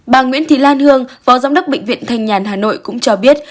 bà nguyễn thị lan hương phó giám đốc bệnh viện thanh nhàn hà nội cũng cho biết